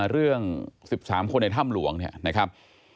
เรื่อง๑๓คนในถ้ำหลวงเนี่ยนะครับ